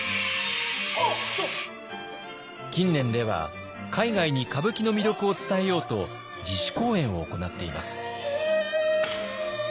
近年では海外に歌舞伎の魅力を伝えようと自主公演を行っています。